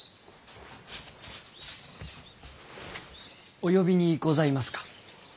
お呼びにございますか？